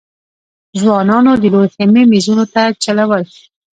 ځوانانو د لويې خېمې مېزونو ته چلول.